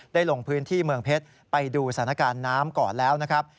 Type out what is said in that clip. ลงพื้นที่เมืองเพชรไปดูสถานการณ์น้ำก่อนแล้วนะครับ